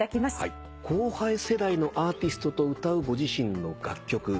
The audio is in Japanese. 後輩世代のアーティストと歌うご自身の楽曲。